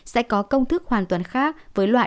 sẽ có công thức hoàn toàn khác với loại